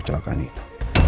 gak ada apa apa